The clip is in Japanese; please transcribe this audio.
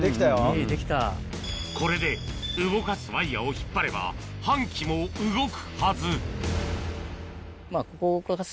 これで動かすワイヤを引っ張れば搬器も動くはず